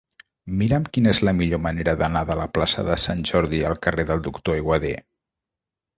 Mira'm quina és la millor manera d'anar de la plaça de Sant Jordi al carrer del Doctor Aiguader.